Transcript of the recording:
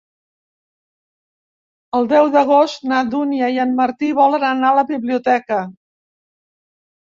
El deu d'agost na Dúnia i en Martí volen anar a la biblioteca.